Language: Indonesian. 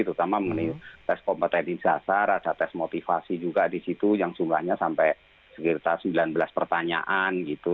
terutama mengenai tes kompetensi dasar ada tes motivasi juga di situ yang jumlahnya sampai sekitar sembilan belas pertanyaan gitu